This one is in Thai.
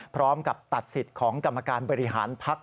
พร้อมกับตัดสิทธิ์ของกรรมการบริหารพัก